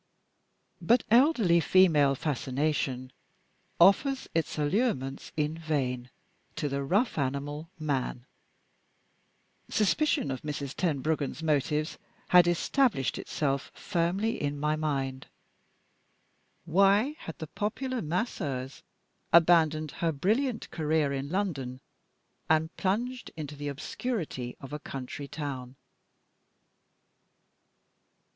But elderly female fascination offers its allurements in vain to the rough animal, man. Suspicion of Mrs. Tenbruggen's motives had established itself firmly in my mind. Why had the Popular Masseuse abandoned her brilliant career in London, and plunged into the obscurity of a country town?